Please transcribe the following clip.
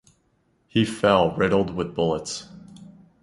He fell riddled with bullets.